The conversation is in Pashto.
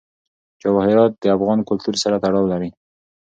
جواهرات د افغان کلتور سره تړاو لري.